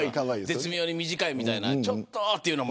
絶妙に短いみたいなちょっと、という。